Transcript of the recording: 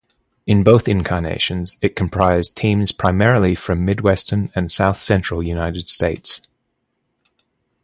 In both incarnations, it comprised teams primarily from Midwestern and South Central United States.